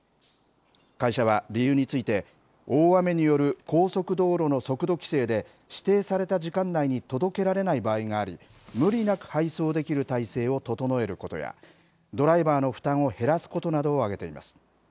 会社は理由について、大雨による高速道路の速度規制で指定された時間内に届けられない場合があり、無理なく配送できる体制を整えることや、ドライバーの負担を減らすことなどを挙げています。